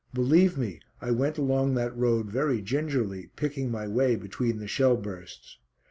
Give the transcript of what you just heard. Believe me, I went along that road very gingerly, picking my way between the shell bursts.